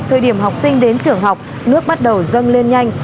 thời điểm học sinh đến trường học nước bắt đầu dâng lên nhanh